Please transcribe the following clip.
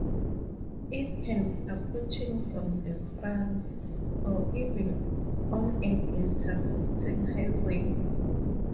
It can be approaching from the front, or even on an intersecting highway.